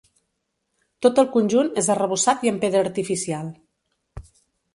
Tot el conjunt és arrebossat i amb pedra artificial.